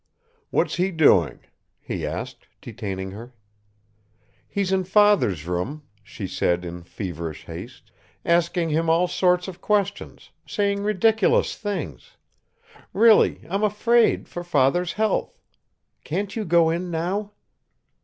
"What's he doing?" he asked, detaining her. "He's in father's room," she said in feverish haste, "asking him all sorts of questions, saying ridiculous things. Really, I'm afraid for father's health! Can't you go in now?"